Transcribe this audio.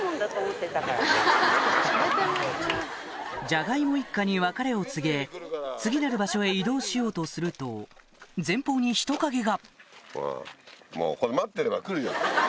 じゃがいも一家に別れを告げ次なる場所へ移動しようとすると前方に人影がここで。